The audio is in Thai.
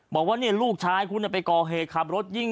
บอกว่าลูกชายคุณไปก่อเหตุขับรถยิ่ง